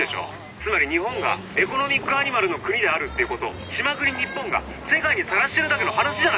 つまり日本がエコノミックアニマルの国であるっていうことを島国日本が世界にさらしてるだけの話じゃないか」。